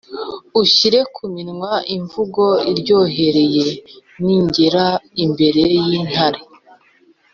unshyire ku minwa imvugo iryohereye ningera imbere y’intare,